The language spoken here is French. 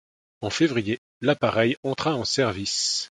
En février, l'appareil entra en service.